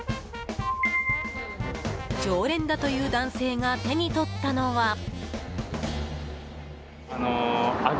常連だという男性が手に取ったのは。